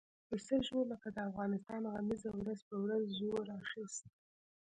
د سړو لکه د افغانستان غمیزه ورځ په ورځ زور اخیست.